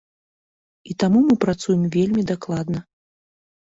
І таму мы працуем вельмі дакладна.